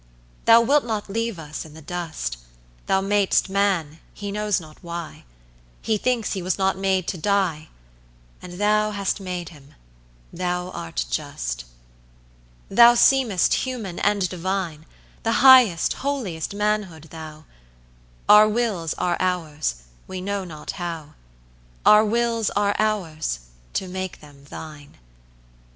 Thou wilt not leave us in the dust: Thou madest man, he knows not why, He thinks he was not made to die; And thou hast made him: thou art just. Thou seemest human and divine, The highest, holiest manhood, thou: Our wills are ours, we know not how; Our wills are ours, to make them thine.